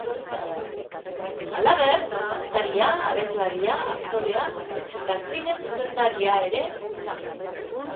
Halaber, dantzaria, abeslaria, aktorea eta zine zuzendaria ere izan zen.